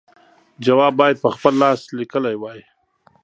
جواب باید په خپل لاس لیکلی وای.